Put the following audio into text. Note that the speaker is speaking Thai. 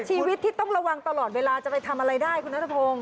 ชีวิตที่ต้องระวังตลอดเวลาจะไปทำอะไรได้คุณนัทพงศ